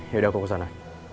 yaudah aku ke sana